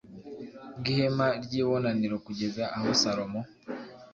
bw ihema ry ibonaniro kugeza aho salomo